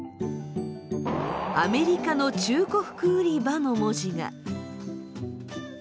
「アメリカの中古服売場」の文字が。